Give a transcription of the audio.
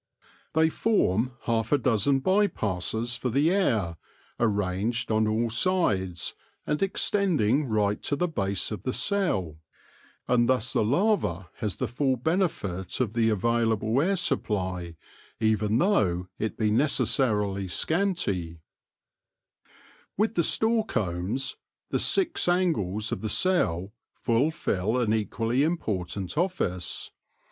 They form half a dozen by passes for the air, arranged on all sides, and extending right to the base of the cell ; and thus the larva has the full benefit of the available air supply, even though it be necessarily scanty. 94 THE LORE OF THE HONEY BEE With the store combs the six angles of the cell fulfil an equally important office.